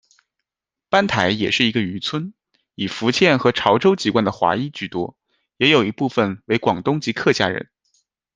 班台也是一个渔村，以福建和潮州籍贯的华裔居多，也有一部分为广东及客家人。